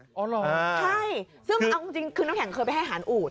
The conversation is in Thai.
ก็ใช่ซึ่งเอาจริงขึ้นคือน้ำแข็งเคยไปหันอูด